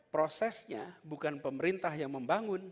prosesnya bukan pemerintah yang membangun